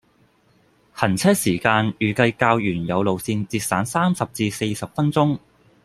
行車時間預計較原有路線節省三十至四十分鐘。